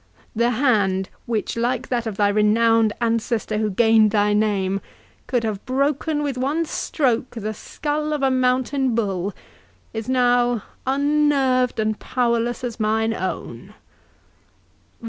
—The hand which, like that of thy renowned ancestor who gained thy name, could have broken with one stroke the skull of a mountain bull, is now unnerved and powerless as mine own!"